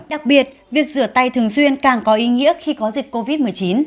đặc biệt việc rửa tay thường xuyên càng có ý nghĩa khi có dịch covid một mươi chín